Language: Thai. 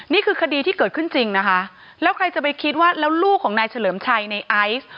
นี่คือคดีที่เกิดขึ้นจริงนะคะแล้วใครจะไปคิดว่าแล้วลูกของนายเฉลิมชัยในไอซ์